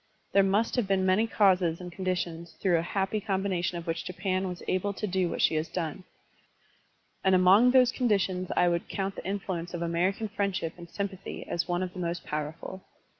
There must have been many causes and conditions through a happy combination of which Japan was able to do what she has done; and among those con ditions I would count the influence of American friendship and sympathy as one of the most powerful.